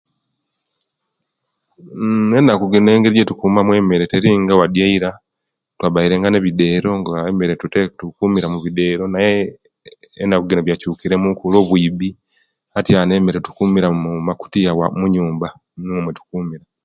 Nnnn enaku jino engeri jetukuma emere teringa wadi eira kwabaire nga twabaire nga nebidero emere tujikumira mubidero naye enaku jino biyakyukore muku lwo buibi atiuanu emere tukumira mumakotiya muyimba nimo jetukumira